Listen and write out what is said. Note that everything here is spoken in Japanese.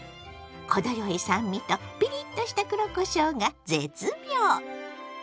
程よい酸味とピリッとした黒こしょうが絶妙！